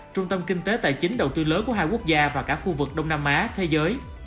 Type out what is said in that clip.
trung tâm kinh tế tài chính đầu tư lớn của hai quốc gia và cả khu vực đông nam á thế giới